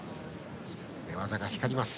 寝技が光ります。